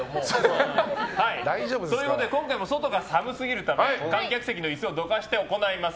今回も外が寒すぎるため観客席の椅子をどかして行います。